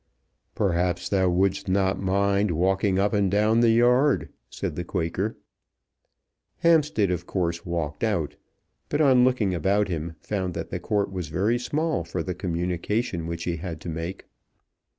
"Perhaps thou wouldst not mind walking up and down the yard," said the Quaker. Hampstead of course walked out, but on looking about him found that the court was very small for the communication which he had to make.